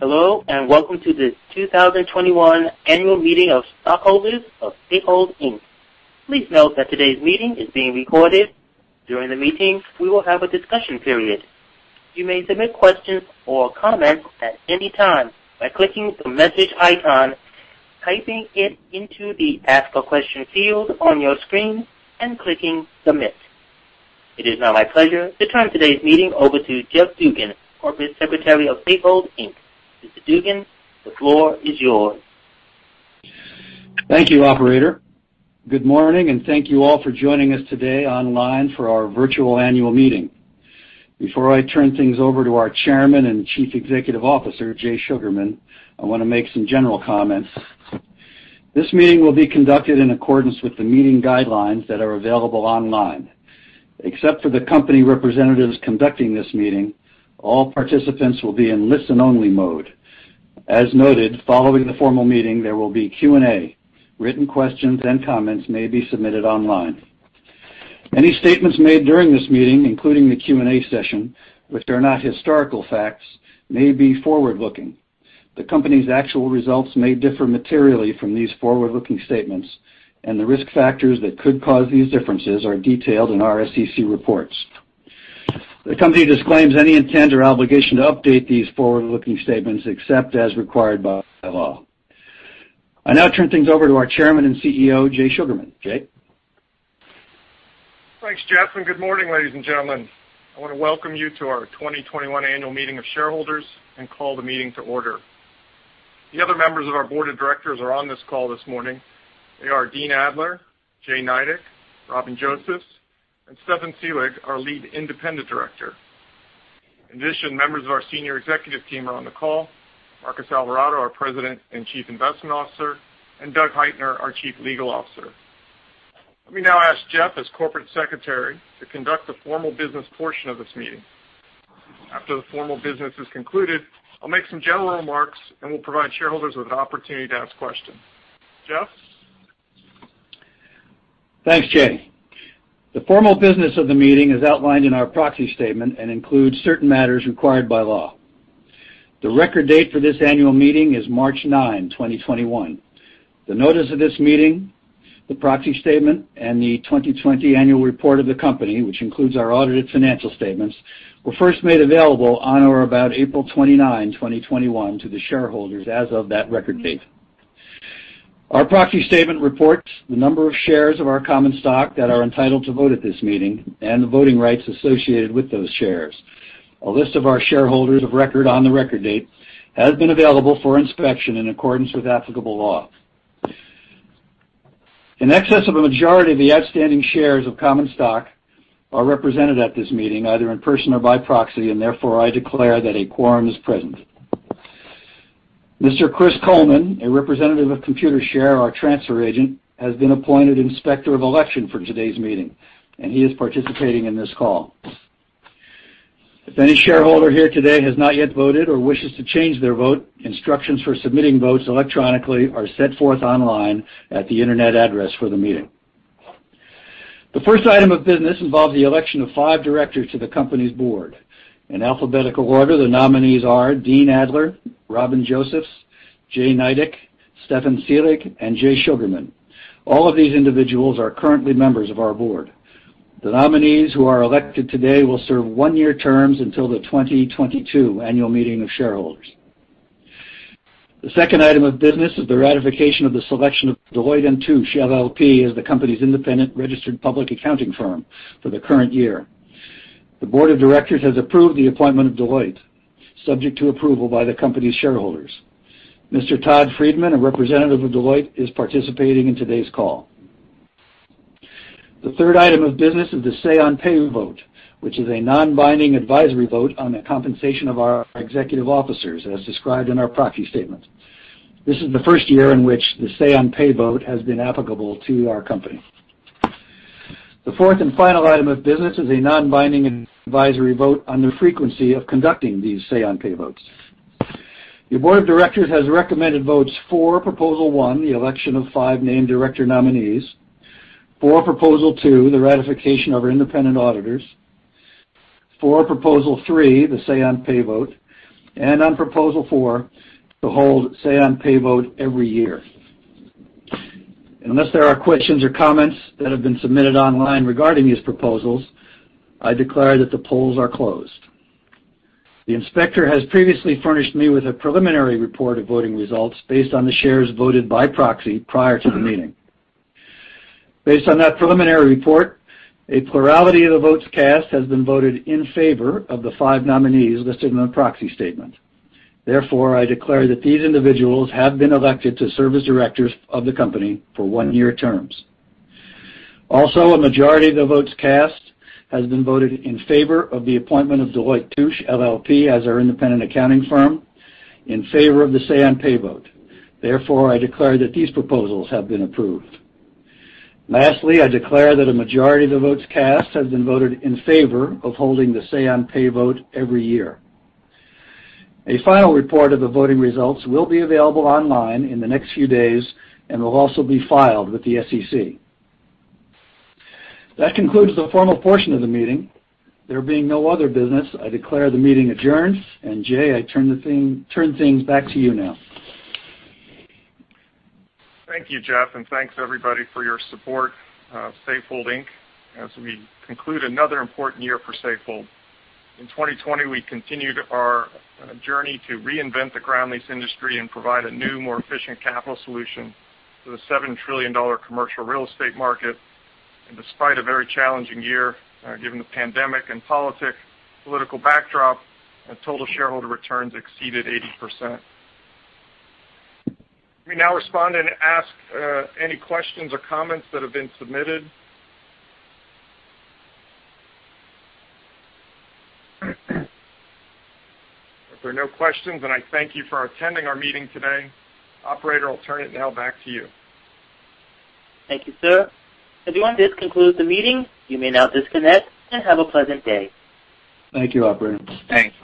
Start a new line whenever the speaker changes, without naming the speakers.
Hello, and welcome to this 2021 annual meeting of stockholders of Safehold Inc. Please note that today's meeting is being recorded. During the meeting, we will have a discussion period. You may submit questions or comments at any time by clicking the message icon, typing it into the Ask a Question field on your screen, and clicking Submit. It is now my pleasure to turn today's meeting over to Jeff Dugan, Corporate Secretary of Safehold Inc. Mr. Dugan, the floor is yours.
Thank you, operator. Good morning, and thank you all for joining us today online for our virtual annual meeting. Before I turn things over to our Chairman and Chief Executive Officer, Jay Sugarman, I want to make some general comments. This meeting will be conducted in accordance with the meeting guidelines that are available online. Except for the company representatives conducting this meeting, all participants will be in listen-only mode. As noted, following the formal meeting, there will be Q&A. Written questions and comments may be submitted online. Any statements made during this meeting, including the Q&A session, which are not historical facts, may be forward-looking. The company's actual results may differ materially from these forward-looking statements, and the risk factors that could cause these differences are detailed in our SEC reports. The company disclaims any intent or obligation to update these forward-looking statements except as required by law. I now turn things over to our Chairman and CEO, Jay Sugarman. Jay?
Thanks, Jeff, and good morning, ladies and gentlemen. I want to welcome you to our 2021 annual meeting of shareholders and call the meeting to order. The other members of our board of directors are on this call this morning. They are Dean Adler, Jay Nydick, Robin Josephs, and Stefan Selig, our Lead Independent Director. In addition, members of our senior executive team are on the call. Marcos Alvarado, our President and Chief Investment Officer, and Douglas Heitner, our Chief Legal Officer. Let me now ask Jeff, as Corporate Secretary, to conduct the formal business portion of this meeting. After the formal business is concluded, I'll make some general remarks, and we'll provide shareholders with an opportunity to ask questions. Jeff?
Thanks, Jay. The formal business of the meeting is outlined in our proxy statement and includes certain matters required by law. The record date for this annual meeting is March 9, 2021. The notice of this meeting, the proxy statement, and the 2020 annual report of the company, which includes our audited financial statements, were first made available on or about April 29, 2021, to the shareholders as of that record date. Our proxy statement reports the number of shares of our common stock that are entitled to vote at this meeting and the voting rights associated with those shares. A list of our shareholders of record on the record date has been available for inspection in accordance with applicable law. In excess of a majority of the outstanding shares of common stock are represented at this meeting, either in person or by proxy, and therefore, I declare that a quorum is present. Mr. Chris Coleman, a representative of Computershare, our transfer agent, has been appointed Inspector of Election for today's meeting, and he is participating in this call. If any shareholder here today has not yet voted or wishes to change their vote, instructions for submitting votes electronically are set forth online at the internet address for the meeting. The first item of business involves the election of five directors to the company's board. In alphabetical order, the nominees are Dean Adler, Robin Josephs, Jay Nydick, Stefan Selig, and Jay Sugarman. All of these individuals are currently members of our board. The nominees who are elected today will serve one-year terms until the 2022 annual meeting of shareholders. The second item of business is the ratification of the selection of Deloitte & Touche LLP as the company's independent registered public accounting firm for the current year. The board of directors has approved the appointment of Deloitte, subject to approval by the company's shareholders. Mr. Todd Friedman, a representative of Deloitte, is participating in today's call. The third item of business is the Say-on-Pay vote, which is a non-binding advisory vote on the compensation of our executive officers, as described in our proxy statement. This is the first year in which the Say-on-Pay vote has been applicable to our company. The fourth and final item of business is a non-binding advisory vote on the frequency of conducting these Say-on-Pay votes. Your board of directors has recommended votes for Proposal One, the election of five named director nominees, for Proposal Two, the ratification of our independent auditors, for Proposal Three, the Say-on-Pay vote, and on Proposal Four, to hold Say-on-Pay vote every year. Unless there are questions or comments that have been submitted online regarding these proposals, I declare that the polls are closed. The inspector has previously furnished me with a preliminary report of voting results based on the shares voted by proxy prior to the meeting. Based on that preliminary report, a plurality of the votes cast has been voted in favor of the five nominees listed in the proxy statement. Therefore, I declare that these individuals have been elected to serve as directors of the company for one-year terms. A majority of the votes cast has been voted in favor of the appointment of Deloitte & Touche LLP as our independent accounting firm in favor of the Say-on-Pay vote. I declare that these proposals have been approved. I declare that a majority of the votes cast have been voted in favor of holding the Say-on-Pay vote every year. A final report of the voting results will be available online in the next few days and will also be filed with the SEC. That concludes the formal portion of the meeting. There being no other business, I declare the meeting adjourned. Jay, I turn things back to you now.
Thank you, Jeff, and thanks everybody for your support of Safehold Inc. as we conclude another important year for Safehold. In 2020, we continued our journey to reinvent the ground lease industry and provide a new, more efficient capital solution to the $7 trillion commercial real estate market. Despite a very challenging year, given the pandemic and political backdrop, our total shareholder returns exceeded 80%. Let me now respond and ask any questions or comments that have been submitted. If there are no questions, then I thank you for attending our meeting today. Operator, I'll turn it now back to you.
Thank you, sir. Everyone, this concludes the meeting. You may now disconnect and have a pleasant day.
Thank you, operator.
Thanks.